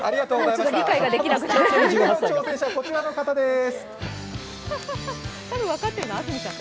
次の挑戦者、こちらの方です。